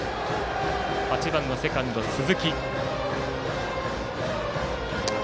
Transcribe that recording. ８番のセカンド、鈴木。